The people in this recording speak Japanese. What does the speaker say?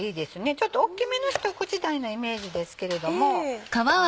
ちょっと大きめの一口大のイメージですけれども。